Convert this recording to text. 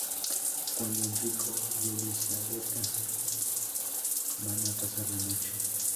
Cuando Enrico y Elisabetta van a pasar la noche.